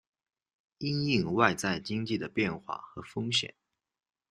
因应外在经济的变化和风险